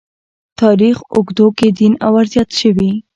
تاریخ اوږدو کې دین کې ورزیات شوي.